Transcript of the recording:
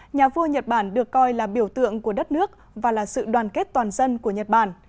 nhà vua nhật bản được coi là biểu tượng của đất nước và là sự đoàn kết toàn dân của nhật bản